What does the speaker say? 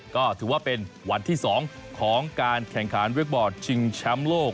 ก็ถือว่าเป็นวันที่สองของการแข่งขารเว็กบอร์ดชิงชั้มโลก